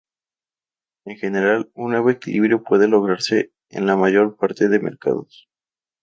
En general, un nuevo equilibrio puede lograrse en la mayor parte de mercados.